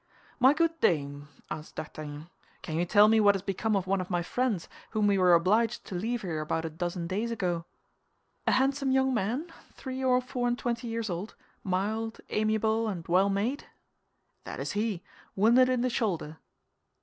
"My good dame," asked D'Artagnan, "can you tell me what has become of one of my friends, whom we were obliged to leave here about a dozen days ago?" "A handsome young man, three or four and twenty years old, mild, amiable, and well made?" "That is he—wounded in the shoulder."